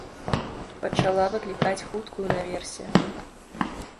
Пачала выклікаць хуткую наверсе.